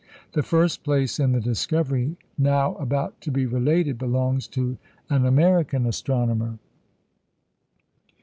The first place in the discovery now about to be related belongs to an American astronomer.